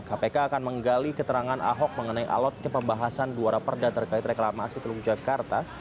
kpk akan menggali keterangan ahok mengenai alatnya pembahasan dua rapor dan reklamasi teluk jakarta